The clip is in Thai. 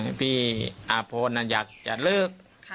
อ่าพี่อาโพน่ะอยากจะลืก